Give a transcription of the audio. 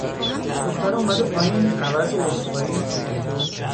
دخترِ اومده پایین، عوض عذر خواهی،